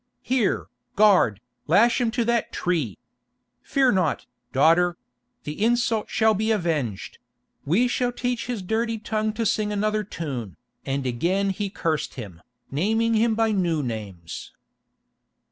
"Here, guard, lash him to that tree! Fear not, daughter; the insult shall be avenged; we shall teach his dirty tongue to sing another tune," and again he cursed him, naming him by new names.